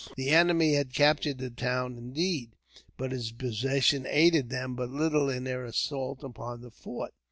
The enemy had captured the town, indeed, but its possession aided them but little in their assault upon the fort.